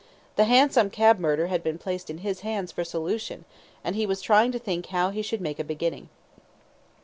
The hansom cab murder had been placed in his hands for solution, and he was trying to think how he should make a beginning.